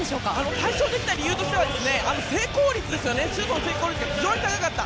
大勝できた理由としてはシュートの成功率が非常に高かった。